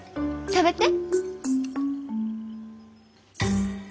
食べて。